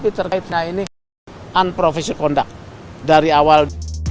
tapi terkaitnya ini unprofessional conduct dari awal